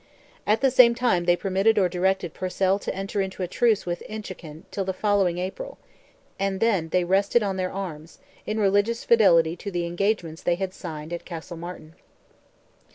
At the same time they permitted or directed Purcell to enter into a trace with Inchiquin till the following April; and then they rested on their arms, in religious fidelity to the engagements they had signed at Castlemartin.